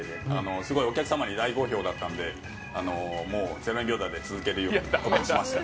すごいお客様に大好評だったんでもう、０円餃子で続けることにしました。